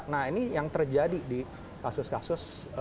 nah ini yang terjadi di kasus kasus